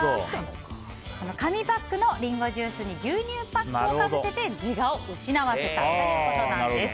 紙パックのリンゴジュースに牛乳パックをかぶせて自我を失わせたということなんです。